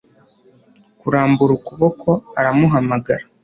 kurambura ukuboko aramuhamagara